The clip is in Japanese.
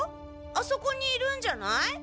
あそこにいるんじゃない？